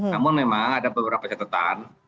namun memang ada beberapa catatan